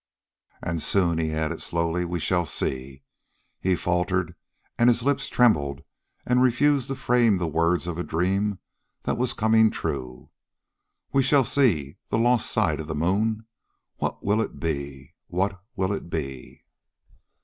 "And soon," he added slowly, "we shall see...." He faltered and his lips trembled and refused to frame the words of a dream that was coming true. "We shall see ... the lost side of the moon. What will it be ... what will it be...?"